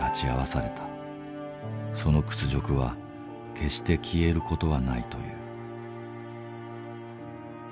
その屈辱は決して消える事はないという。